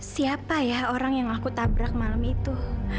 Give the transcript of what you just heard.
siapa ya orang yang aku tabrak malam itu